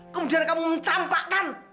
kemudian kamu mencampakkan